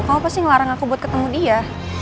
kamu pasti ngelarang aku buat ketemu dia